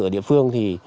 ở địa phương